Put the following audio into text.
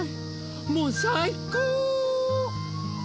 もうさいこう！